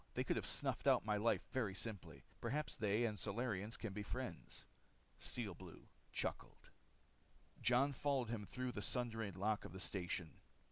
They could have snuffed out my life very simply. Perhaps they and Solarians can be friends. Steel Blue chuckled. Jon followed him through the sundered lock of the station.